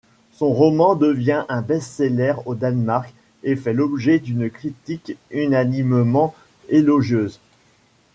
Son roman devient un best-seller au Danemark et fait l'objet d'une critique unanimement élogieuse.